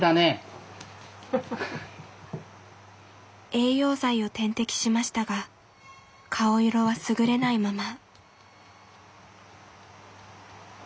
栄養剤を点滴しましたが顔色はすぐれないまま。